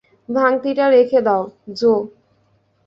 ভাংতিটা রেখে দাও, জো।